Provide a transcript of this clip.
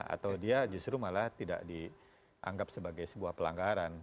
atau dia justru malah tidak dianggap sebagai sebuah pelanggaran